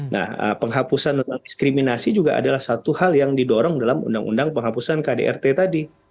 nah penghapusan tentang diskriminasi juga adalah satu hal yang didorong dalam undang undang penghapusan kdrt tadi